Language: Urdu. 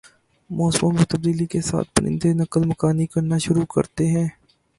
موسموں میں تبدیلی کے ساتھ ہی پرندے نقل مکانی کرنا شروع کرتے ہیں